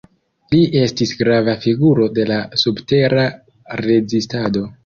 Li estis grava figuro de la subtera rezistado.